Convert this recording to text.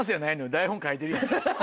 台本書いてるやん。